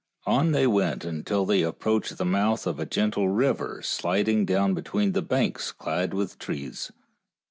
And on they went until they approached the mouth of a gentle river slid ing down between banks clad with trees.